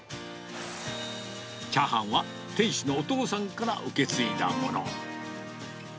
チャーハンは、店主のお父さんから受け継いだもの。